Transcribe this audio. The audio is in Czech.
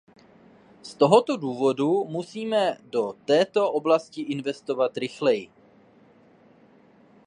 Z tohoto důvodu musíme do této oblasti investovat rychleji.